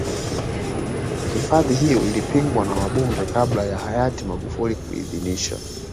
hifadhi hiyo ilipingwa na wabunge kabla ya hayati magufuli kuiidhinisha